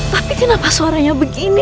tapi kenapa suaranya begini